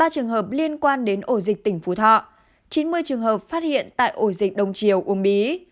ba trường hợp liên quan đến ổ dịch tỉnh phú thọ chín mươi trường hợp phát hiện tại ổ dịch đông triều uông bí